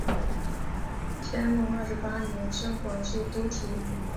乾隆二十八年升广西提督。